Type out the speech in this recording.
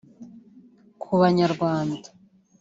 Ku Banyarwanda